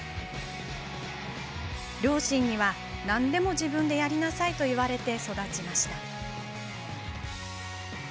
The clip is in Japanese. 両親には、なんでも自分でやりなさいと言われて育ちました。